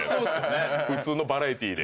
普通のバラエティーで。